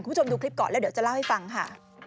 คุณผู้ชมดูคลิปก่อนแล้วเดี๋ยวจะเล่าให้ฟังค่ะ